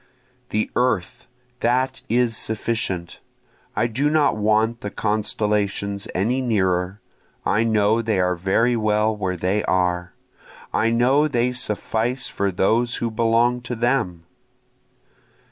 The earth, that is sufficient, I do not want the constellations any nearer, I know they are very well where they are, I know they suffice for those who belong to them.